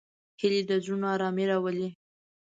هیلۍ د زړونو آرامي راولي